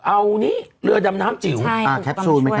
ค่ะเขาต้องมาช่วย